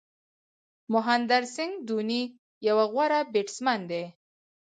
مهندر سنگھ دهوني یو غوره بېټسمېن دئ.